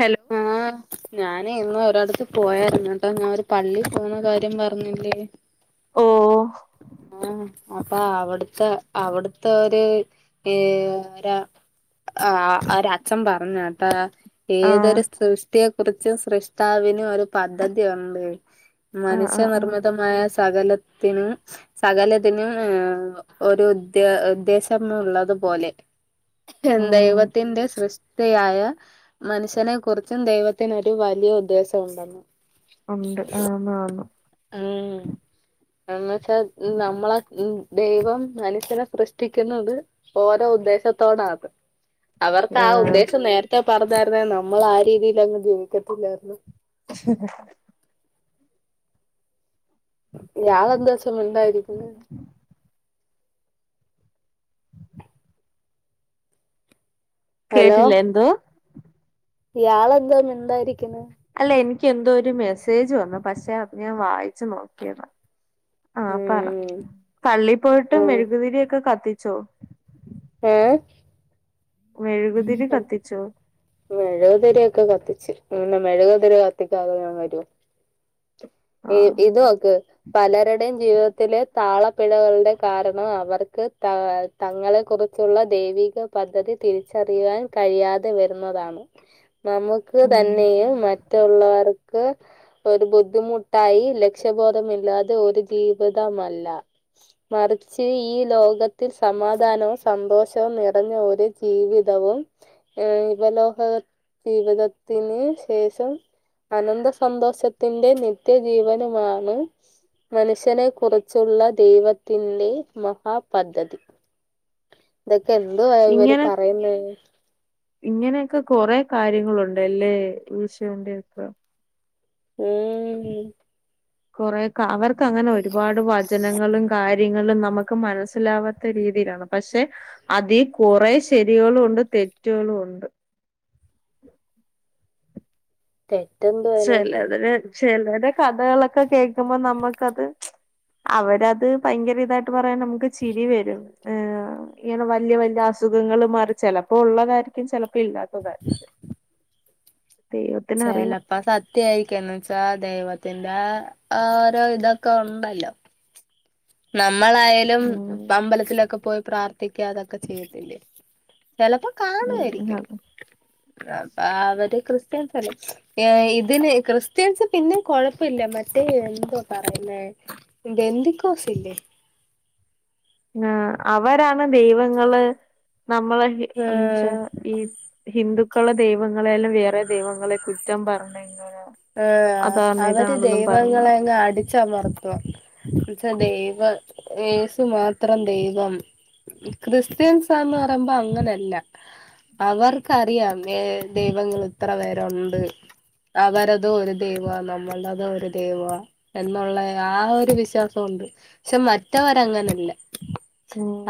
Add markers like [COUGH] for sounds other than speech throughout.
Hello ആഹ് ഞാൻ ഇന്ന് ഒരാൾടടുത്തു പോയാർന്നുട്ടോ ഞാൻ ഒരു പള്ളിപ്പോകുന്ന കാര്യം പറഞ്ഞില്ലേ ഓ ആഹ് അപ്പാ അവ്ട്ത്തെ അവിട്ത്തൊര് ഏ രാ ആ ഒരച്ഛൻ പറഞ്ഞാട്ടാ ആഹ് ഏതൊരു സിസ്ത്യാ കു ച്ച സൃഷ്ടാവിനും ഒരു പദ്ധതിയുണ്ട് ആഹ് മനുഷ്യ ആഹ് ആഹ് നിർമ്മിതമായ സകലതും തിനും സകലതിനും ഒരു ത്യാ ഉദ്ദേശം ഉള്ളതു പോലെ ഉം ദൈവത്തിന്റെ സൃഷ്ടിയായ മനുഷ്യനെ കുറിച്ചും ദൈവത്തിനൊരു വലിയ ഉദ്ദേശം ഉണ്ടെന്ന് ഉണ്ട് ആന്ന് ആന്ന് മ്മ് എന്നെച്ചാ നമ്മളെ ദൈവം മനുഷ്യനെ സൃഷ്ടിക്കുന്നത് ഓരോ ഉദ്ദേശത്തോടാന്ന് അവർക്കാ ആഹ് ഉദ്ദേശം നേരത്തെ പറഞ്ഞാർന്നേൽ നമ്മളാ രീതീലൊന്നും ജീവിക്കത്തില്ലായിർന്നു [INAUDIBLE] ഞാനെന്താച്ചാ മിണ്ടായ്രിക്ക്ന്നെ കേട്ടില്ലേ ന്തോ ഇയാളൊദോ മിണ്ടാതിരിക്കുന്നെ അല്ലേയ് എനിക്കെന്തൊരു മെസ്സേജ് വന്നു പക്ഷെ ഞാൻ വായി ച്ചു നോക്കിയതാ ആ പറ ഉം പള്ളീപോയിട്ട് ഉം മെഴുകുതിരിയൊക്കെ കത്തി ച്ചോ ഏഹ് മെഴുകുതിരി ഉം കത്തിച്ചോ മെഴുകുതിരിയൊക്കെ കത്തിച്ച് ന്താ മെഴുകുതിരി കത്തിക്കാതെ ഞാൻ വരോ ഇ ആഹ് ഇത് നോക്ക് പലരുടെയും ജീവിതത്തില് താളപ്പിഴവുകളുടെ കാരണവും അവർക്ക് ത തങ്ങളെ കുറിച്ചുള്ള ദൈവിക പദ്ധതി തിരി ചെറിയാൻ കഴിയാതെ വരുന്നതാണ് നമ്മുക്ക് ഉം തന്നെയും മ റ്റുള്ളവർക്ക് ഒരു ബുദ്ധിമുട്ടായി ലക്ഷ്യ ബോധമില്ലാതെ ഒരു ജീവിതമല്ല മറിച്ച് ഈ ലോകത്ത് സമദാനവും സന്തോഷവും നിറഞ്ഞ ഒരു ജീവിത തവും ഏഹ് ഇഹലോക ജീവിതത്തിന് ശേഷം അനന്ത സന്തോഷത്തിന്റെ നിത്യ ജീവനുമാണ് മനുഷ്യനെ കുറിച്ചുള്ള ദൈവത്തിന്റെ മഹാ പദ്ധതി തൊക്കെ എന്തുവാ ഇവര് പറയുന്നേ ഇങ്ങനൊക്കെ കൊറേ കാര്യങ്ങളുണ്ട്ല്ലേ ഈശോന്റെപ്പം മ്മ് മ്മ് കുറേക്കെ അവർക്കങ്ങനെ ഒരുപാട് വചനങ്ങളും നമ്മുക്ക് മനസ്സിലാവാത്ത രീതിയിലാണ് പക്ഷെ അതീ കുറേ ശരികളും ഉണ്ട് തെറ്റുകളും ഉണ്ട് തെറ്റെന്തുവാ അതിനകത്ത്? ചെലരെ കഥകളൊക്കെ കേക്കുമ്പോ നമ്മക്കത് അവരത് ഭയങ്കര ഇതായിട്ട് പറയുമ്പോ നമ്മുക്ക് ചിരി വരും ങ്ങനെ വല്യ വല്യ അസുഖങ്ങൾ മാറി ചെലപ്പോ ഉള്ള കാര്യായിരിക്കും ചെല പ്പില്ലാത്തതായിരിക്കും ചെലപ്പോ സത്യായിരിക്കും എന്ന് വച്ചാ ദൈവ ത്തിന്റെ ആരോ ഇതൊക്കെ ഉണ്ടല്ലോ [UNINTELLIGIBLE] മ്മളായാലും ഉം അമ്പലത്തിലൊക്കെ പോയി പ്രാർത്ഥിക്കാ അതൊക്കെ ചെയ്യത്തില്ലെ ചെലപോ ഉം കാണുവാരിക്കും അപ്പാവര് ക്രിസ്ത്യൻസല്ലെ ഏ ഇതിന് ക്രിസ്ത്യൻസ് പിന്നെ കൊയപ്പല്ല മറ്റേ എന്തൊ പറയുന്നേ ഗെന്ത് പ്പാവ്സല്ലേ [UNINTELLIGIBLE] ആ അവരാണ് ദൈവങ്ങള് നമ്മളെ ന്ന് ച്ച ഏഹ് ഈ ഹിന്ദുക്കളെ ദൈവങ്ങളെല്ലാം വേറെ ദൈവങ്ങളെ കുറ്റം പറഞഴിഞ്ഞ ആഹ് അവര് പറഞ്ഞ ദൈവങ്ങളെങ്ങ് അടിച്ചമർത്തു ദൈവ ഏസു മാത്രം ദൈവം. ക്രിസ്ത്യൻസാവുമ്പൊറയുമ്പൊ അങ്ങനല്ല അവർക്കറിയാം ഏഹ് ദൈവങ്ങള് ഇത്ര വരെ ഉണ്ട് അവര ദോ ഒരു ദൈവ നമ്മള്ടതൊരു ദൈവ എന്നുള്ള ആ ഒരു വിശ്വാസം ഉണ്ട് ഷേ മറ്റവരങ്ങനല്ല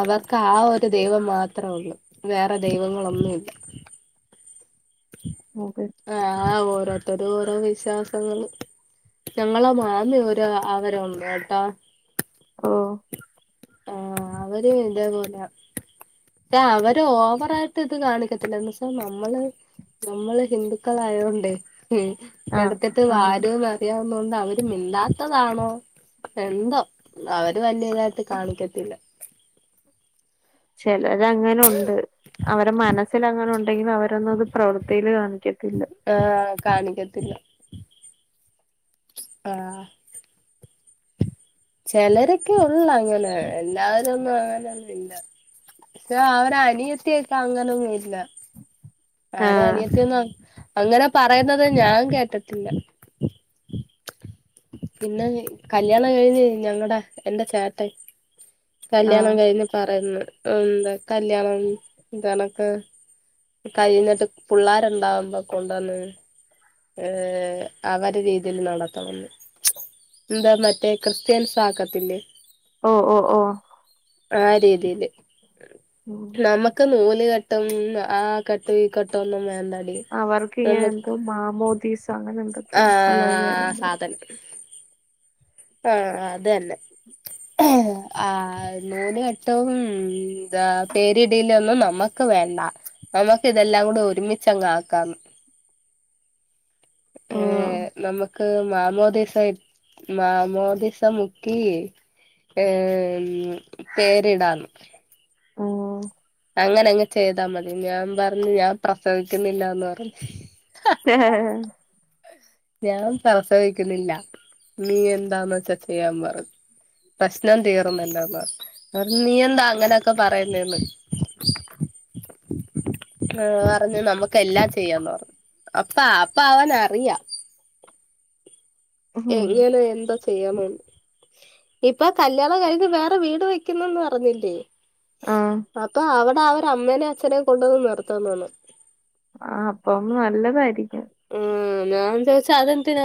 അവർക് ആ ഒരു ദൈവം മാ ത്രെള്ളു വേറെ ദൈവങ്ങളൊന്നുല്ല അതെ ആ ഓരോരുത്തര് ഓരോ വിശ്വാസ ഞങ്ങള് ഞങ്ങളൊന്ന് ആന്നിലൊരാ അവരൊള്ട്ടാ ആ ആ അവര് തേപോലെ താ അവര് ഓവറായിട്ട്ത് കാണിക്കത്തില്ല എന്ന് വച്ച നമ്മള് നമ്മള് ഹിന്ദുകളായത് കൊണ്ടേ ആഹ് എടത്ട്ട് ആഹ് വാരോ ന്നറിയ ഒന്ന് അവര് മിണ്ടാത്തതാണോ എന്തൊ അവര് വല്യ നേരത് കാണിക്കത്തില്ല ചെലരങ്ങനുണ്ട് അവരെ മനസ്സിലങ്ങനൊണ്ടെങ്കിലും അവരൊന്നും അത് പ്രവർത്തീല് കാണി ആ കാണിക്കതില്ല ആ ചെലരൊക്കെ ഓ ഉം ന്നങ്ങനെ എല്ലാവരൊന്നും അങ്ങനെ യാഹ് അവരെ അനിയത്തിയൊക്കെ അങ്ങനെ പോയിറ്റില്ല അവരെ ആഹ് അനിയത്തിയൊന്നും അങ്ങ് അങ്ങനെ പറയുന്നത് ഞാൻ കേട്ടട്ടില്ല പിന്നെ കല്യാണം കഴിഞ്ഞെയി ഞങ്ങടെ എന്റ ചേട്ടൻ കല്യാണം ആഹ് കയിഞ്ഞ് പറയുന്ന് ഒന്ത കല്യാണം കല്യാണൊക്ക കയ്യുന്നെടുത്ത് പുള്ളാര്ണ്ടാവും കെ കൊണ്ട് വന്ന്. ഏഹ് അവര് രീതിയിൽ നടത്തണൊന്ന് ന്താ മറ്റേ ക്രിസ്ത്യൻസാക്കത്തില്ലേ ഓ ഓ ഓഹ് ആരീതിയില് ഉം നമ്മക്ക് നൂല് കെ ട്ടുംന്ന ആഹ് കെട്ടി കെട്ടൊന്നും വേണ്ട അവർകിങ്ങനെന്തോ മാമോദിസ അങ്ങനെന്തൊക്കെ അല്ലാതെ [UNINTELLIGIBLE] ആഹ് അതന്നെ ആഹ് മൂന്ന് കെട്ടുംമ് പേരിടീലൊന്നും നമ്മക്ക്‌ വേണ്ട നമ്മക്കിതല്ലാം കൂടി ഒരുമിച്ചങ്ങ് ആക്കന്ന് ആഹ് ഉം മാമോദിസം ഇട് മാമോദിസം മുക്കി ഏ പേരിടാം ഉം അങ്ങിനങ്ങ് ചെയ്താൽ മതിയെന്ന് ഞാൻ പറഞ്ഞു ഞാൻ പ്രസവിക്കുന്നില്ലന്ന് പറഞ്ഞു [INAUDIBLE] ഞാൻ പ്രസവിക്കുന്നില്ല. നീ എന്ത വെച്ചാൽ ചെയ്യാൻ പറഞ്ഞു പ്രശ്നം തീർന്നല്ലോ പറഞ്ഞു നീ എന്ത അങ്ങനെ ക്കെ പറയുന്നെ പേയ്ച്ചു ആ അറഞ്ണ് നമ്മക്കല്ലാം ചെയ്യാം ന്ന് പറഞ്ഞു അപ്പ അപ്പ അവനറിയാം ഏ ഉം ഇങ്ങനെ എന്താ ചെയ്യാമെന്ന്. ഇപ്പോ കല്യാണം കഴിഞ് വേറെ വീട് വെക്കുന്നു എന്ന് പറഞ്ഞില്ലെ ആഹ് അപ്പോ ആവർ അവർ അമ്മനെ അച്ചനെ കെണ്ട് നിർത്തുമെന്നറഞ്ഞു ആ അപ്പോ നല്ലതായിരിക്കും ഉം ഞാൻ ചോയ്ച്ചു ആ അതെന്തിനാ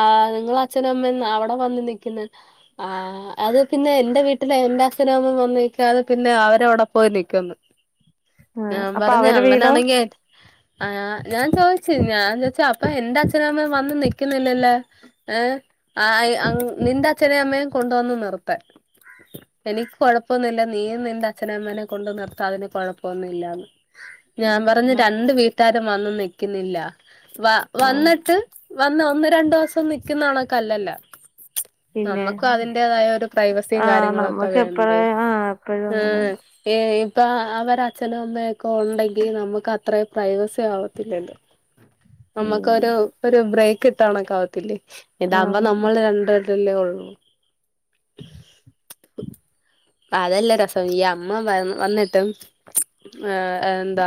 ആഹ് നിങ്ങളെ അച്ഛനും അമ്മയും അവിടെ വന്നു നിൽക്കണേ ആ അപ്പോ അവരെ വീടോ ആ ഞാ ഞാൻ ചോയ്ച്ചു ഞാൻ ചോയ്ച്ചു അപ്പം എന്റെ അച്ചനും അമ്മ യും വന്നു നിക്ക്ണ്ല്ലല്ലോ എ ആയ നിന്റെ അച്ഛനെ അമ്മനെയും കൊണ്ട് നിർത്ത് എനിക്ക് കുഴപ്പമില്ല നീയും നിന്റെ അച്ഛനെ അമ്മനെ കൊണ്ട് നിർത്ത് അതിന് കുഴപ്പമെന്നുമില്ലന്ന് ഞാൻ പറഞ്ഞു ഉം രണ്ട് വീട്ടാരും വന്ന് നിക് ക്ക്ന്നില്ല വ ആ വന്നിട്ട് വന്ന് വന്ന് രണ്ടീസം നിക്കുന്നണക്കലല്ല പിന്നെ നമ്മുക്കും അതിന്റെതായ പ്രൈവസി ആ കാര്യങ്ങളോക്കെ നമ്മക്ക് എപ്പഴ വേണ്ടെ ആ എപ്പഴും അങ്ങനെന്നെ ആ അവരെ അച്ചനും അമ്മയും ഒക്കെ ഉണ്ടങ്കിൽ നമ്മുക്കത്ര പ്രൈവസി ആകാതില്ലല്ലോ ഉം പ്പമ്മുക്കരു പ്പം [UNINTELLIGIBLE] കിട്ടാന്ക്കത്തില്ലേ ആ ഇതാവുമ്പോൾ നമ്മൾ രണ്ട് തല്ലെ ഒള്ളു അതല്ല രസം ഈ അമ്മ വ വന്നിട്ടും ഏ എന്താ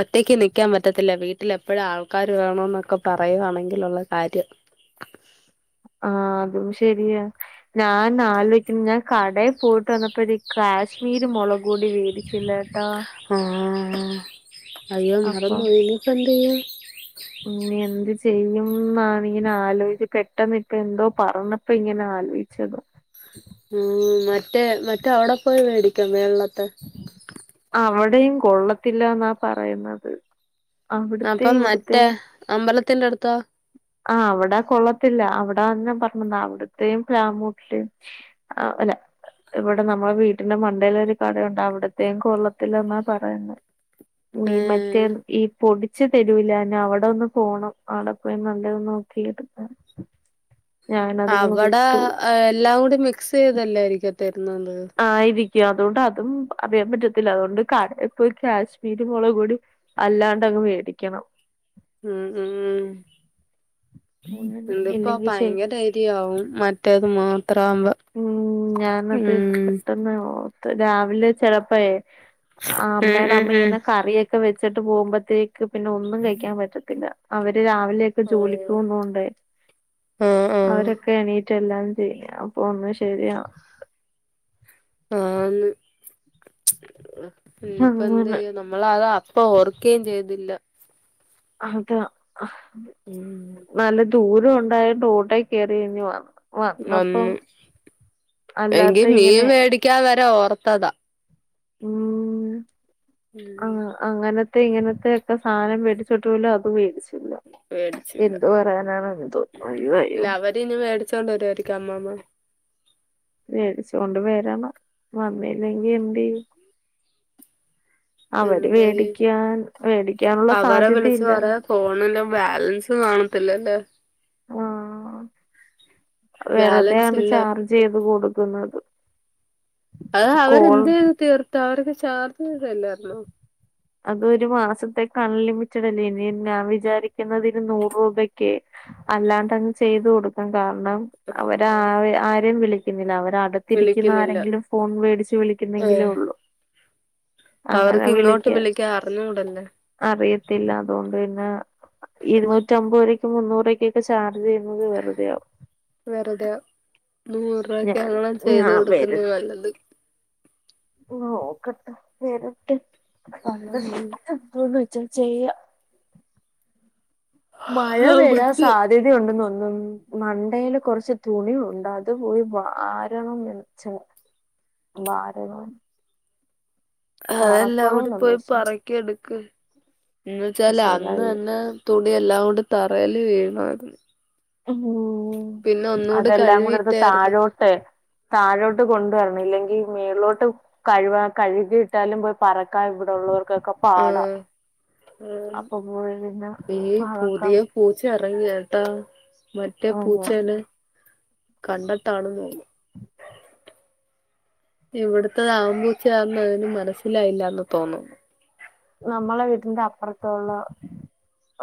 ഒറ്റക്ക് നിക്കാൻ പറ്റത്തില്ല വീട്ടിലെ പ്പാഴ ആൾക്കാർ വേണന്നൊക്കെ പറയുവാണെങ്കിലുള്ള കാര്യം ആ അതും ശരിയാ ഞാൻ ആലോയിക്കുന്നെ ഞാൻ കടയിൽ പോയിട്ട് വന്നപ്പോ ഒരു കാശ്മീരീമുളക്പോടീ കൂടി മേടിച്ചില്ലട്ടാ ആ അയ്യോ മറന്നു പോയി ഇനിയിപ്പം എന്തു ചെയ്യും ചെയ്യും മാണാങ്കിൽ ആലോയ്‌ച്ച് പെട്ടന്ന് ഇപ്പാ എന്തോ പറഞ്ഞപ്പോൾ ഇങ്ങനെ ആലോയിച്ചതാ മൂ മറ്റേ മറ്റേ അവിടെ പോയി മേടിക്കുന്നേ എല്ലാം ത്ത് അത്രയും കൊള്ളത്തില്ലാന്നാ പറയുന്നത് അവിടുത്തെ അപ്പം മറ്റേ ഇവിടുത്തെ അമ്പലത്തിന്റെ അടുത്തോ ആ അവിടെ കൊള്ളത്തില്ല അവിടെ അന്നേ പറഞ്ഞതാ അവിടെത്തെയും പ്ലാമുട്ടിലെയും അല്ല ഇവിടെ നമ്മടെ വിടിന്റെ മണ്ടേവരെ കടയുണ്ട് അവടത്തെയും കൊള്ളത്തില്ലന്നാ പറയുന്നേ ഏ മി മറ്റത്ഈ പൊടി ച്ച് തരൂലാന്ന് അവിടെന്ന് പോണം അവിടെ പോയി നല്ലത് നോക്കി എടുക്കാ അവടെ എല്ലാം കൂടി മിക്സ് ചെതല്ലരിക്കും തരുന്നത് യാതൂട്ടാ അതും അറിയാൻ പറ്റത്തില്ല അതുകൊണ്ട് കടേൽ പോയികാശ്മീരി മുളകുപൊടി അല്ലാണ്ടങ്ങ് മേടിക്കണ്ണം ഉംഉ അങ്ങനെ ഇല്ലെങ്കി എന്തെക്കൊഭയങ്കര എരു ആവും മറ്റേതുമെ മ് ഞാനത് ഉം പെട്ടന്ന് ഓ ർത്ത് രാവിലെ ചെലപ്പോയെ ആ ഉം അമ്മയുടെ ഉം അമ്മ ഇങ്ങനെ കറിയൊക്കെ വെ ച്ച്ട്ട് പോകുപ്പത്തേക്ക് ഇൻക്ക് പിന്നെ ഒന്നും വേഴിക്കാൻ പറ്റത്തില്ല അവര് രാവിലെക്കെ ജോലിക്ക് ഉം പോകുന്നോണ്ട് ആഹ് ആഹ് അവരൊക്കെ എണീറ്റ് എല്ലാം ചെയും അന്നാശരിയാ ന് പ്പം അങ്ങനെ എന്തെയും ഞമ്മൾ അത് അപ്പോ ഓർക്കെചെതില്ല അത അഹ് ഹാ ഉം വലുത് തുർ ഉണ്ടായിട്ട് ഓട്ടേ കേറി [UNINTELLIGIBLE] വന്നു അല്ലാത്ത എങ്കിൽ മീൻ ഇങ്ങനെ വേടിക്കാതെ ന്നെ ഓർത്തതാ മ് ഉം ആ അങ്ങനെ ത്തെ ഇങ്ങനത്തെ ക്കെസാനം വേടിച്ചിട്ടുല്ല അത് വേടിച്ചു വേടിച്ചില്ല എന്തോ അയ്യോ അയ്യോ ലവരിന് വേടിച്ചോണ്ട് വരായിരിക്കും അമ്മമ വേടിച്ചോണ്ട് വരണം വന്നില്ലെങ്കി എന്തെയും. എന്തെയ്യ് വേടിക്കാനുള്ള അവരെ വിളിച്ച് സാധ്യതയില്ലന്ന് പറയാ ഫോണിന് ബലൻസ് കാണ ത്തില്ല് ആ ബാലൻസില്ല കൊടുക്കുന്നത് [UNINTELLIGIBLE] കോൾ ചാർജ് കേറ്ല്ലായിരുന്നേ അത് ഒരു മാസത്തേക് അൺ ലിമിറ്റഡ് അല്ല നി ഞാൻ വിചാരിക്കുന്നതിന് നൂറ് രൂപക്ക് അല്ലാണ്ടണ്ട്ചെയ്തുകൊടുത്തതാ ണം അവര് ആ ആഹ് ആരേ വി [UNINTELLIGIBLE] വിളിക്കുന്നില്ല അട്ത്തിരിക്കന്നാരെങ്കിലും ഫോൺ വേടിച്ച് വിളിക്കുന്നെങ്കിലേള്ളു അവർക്കിങ്ങോട്ട് ളി അറിയത്തില്ല അതോണാട്ന്ന [UNINTELLIGIBLE] [UNINTELLIGIBLE] അത്രക്കെ അങ്ങനെ ചെയ്ത് കൊടുക്കുന്നയ നല്ലത് ഓക്കട്ട വെരട്ട് അ [UNINTELLIGIBLE] ച്ചേ ച്ചേയാം മഴ പെയ്യാൻ നമുക്ക് സാധ്യതയുണ്ടെന്നോന്നുന്നു ഉം മണ്ടയില് കുറച്ച് തുണിഉണ്ട് അത്പോയി വാരണം വച്ച് വാരണം അതല്ല അവിടെ പറക്കണോന്നുണ്ട് പോയി പക്ഷെ പറക്കി എടുക്ക് എന്ന് അത് വച്ചാല് അന്ന് ശരിയായില്ല തന്നെ തു എല്ലാം കൊണ്ട് തറൽ വീണ [INAUDIBLE] ഉ അതെല്ലാം കൂടെ ട്ത്ത് കഴുവിയിട്ടായിരുന്നു താഴോട്ടെ താഴോട്ട് കൊണ്ടുവരണം ഇല്ലെങ്കിൽ മേളോട്ട് കഴ കഴുകിയിട്ടാലും പോയി പറക്കാൻ ഇവിടെള്ളവർ ആഹ അപ്പൊ പോയി പിന്നെ ഈ പറക്കാം പുതിയ പൂച്ച ഇറങ്ങിയട്ടാ മറ്റേ പൂച്ചല് കണ്ടെത്താണോ ഇവിടത്തെത ആംമ്പൂച്ചാന്ന അതിന് മനസ്സിലായില്ലന്ന് തോന്നുന്നു നമ്മളെ വീടിന്റെ അപ്പുറത്തുള്ള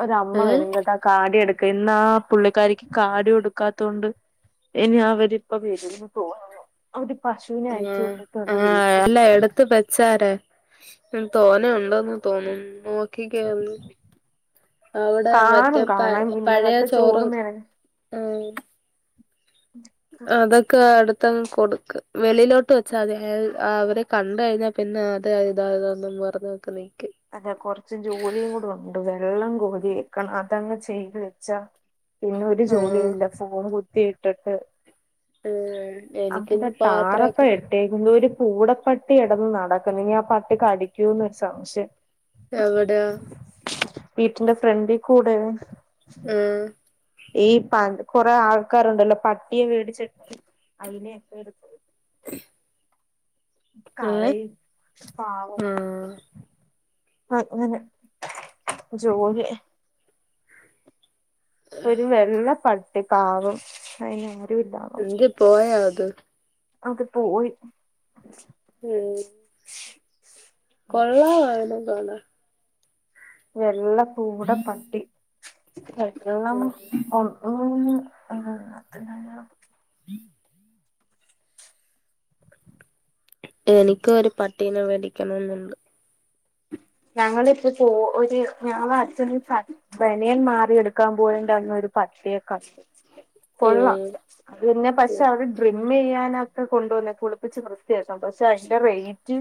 ഒ അമ്മ ഏഹ് വരുന്നത്ത് ആ കാടി എടുക്ക ഇന്ന് ആ പുള്ളിക്കാരിക്ക് കാടി കൊടുക്കാത്ത കൊണ്ട് ഇനി അവരിപ്പ വരൂന്ന് തോന്നുന്നു അവ ആ ആ അല്ല എടുത്ത് വെച്ചാര തോന്ന തോന്നും നോക്കിക്കന്നു അവിടെ മറ്റേ കാണും പ കാണാൻ പഴയ ഇന്നലത്തെ ചോറ് ചോറും മെനഞ്ഞ ആ അതൊക്കെ അടു പും കൊടു വെളിയിലോട്ട് വെച്ച അ അവരെ കണ്ട കഴിഞ്ഞാൽ പിന്നെ അത ഇതതൊന്നും പറഞ്ഞ നിക്ക ന അതെ കൊറച്ചും ജോലിയും കൂടെ ഉണ്ടു കെ വെള്ളം കോരി വേക്കണം അതങ്ങ് ചെയ്ത്‌ വെച്ച പിന്നെ ഒരു ജോലി ആഹ് ഇല്ല ഫോൺ ത്തി എട്ടെട്ട് ഉം അവിടെ എനിക്കിന്ന് തടാറപ്പ പാത്രൊക്കെ എടുത്തേക്കുനെരു പൂടപ്പട്ടി ഇടന്ന് നടക്ക് ന്ന് ഇനി ആ പട്ടി കടിക്കുന്നൊരു സംശയം എവിടയാ? വീട്ടിന്റെ ഫ്രണ്ടികൂടെയാ ആ ഈ പ കുറെ ആൾക്കാറുണ്ടല്ലോ പട്ടിയേ വേടിച്ചിട്ടു അയിനെ [UNINTELLIGIBLE] ഏഹ് കളയ് പാവം. ആഹ് അങ്ങനെ ജോലി ഒരുവെള്ള പ കാവും [UNINTELLIGIBLE] എന്ത് പോയോ അത് അതുപോയി. കൊള്ളാവോ അതിനെ കാണാൻ? വെള്ള പൂടപട്ടി [UNINTELLIGIBLE] എനിക്കും ഒരു പട്ടീനെ മേടിക്കണമെന്നുണ്ട്. ഞങ്ങൾ ഇപ്പം പോ ഒരു ഞങ്ങൾ അച്ഛന് ബനിയൻ മാറിയെടുക്കാൻ പോയേന്റെഅന്ന് ഒരു പട്ടിയെ കണ്ടു. കൊള്ളാ ഉം അത് പിന്നെ പക്ഷേ [UNINTELLIGIBLE] ഡ്രിമമ്ചെയ്യാൻ കൊണ്ടുവന്നെ കുളിപ്പിച്ച് വൃത്തിയാക്കാം പക്ഷേ അയിന്റെ റേറ്റ്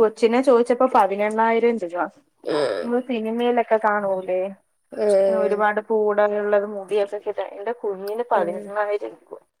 കൊച്ചിനെ ചോദിച്ചപ്പം പതിനെണ്ണായി [UNINTELLIGIBLE] നമ്മള് സിനിമയിലൊക്കെ കാണൂലേ? ഉം ഒരു പാട് പൂ ഉം [UNINTELLIGIBLE] ഫുള്ളിന് [UNINTELLIGIBLE]